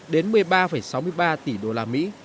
đến một mươi ba sáu mươi ba tỷ đô la mỹ